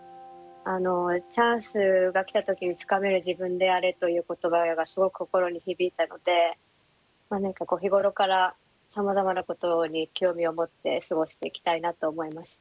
「チャンスが来たときにつかめる自分であれ」という言葉がすごく心に響いたので日頃からさまざまなことに興味を持って過ごしていきたいなと思いました。